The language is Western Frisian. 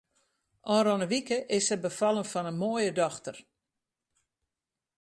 Ofrûne wike is se befallen fan in moaie dochter.